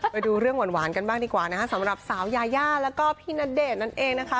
ไปดูเรื่องหวานกันบ้างดีกว่านะคะสำหรับสาวยายาแล้วก็พี่ณเดชน์นั่นเองนะคะ